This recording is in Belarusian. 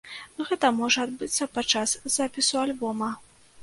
Гэта можа адбыцца падчас запісу альбома.